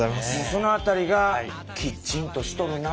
その辺りが「キッチン」としとるな。